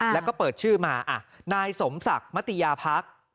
แล้วก็เปิดชื่อมาอ่ะนายสมศักรณ์มัตติยาพักษ์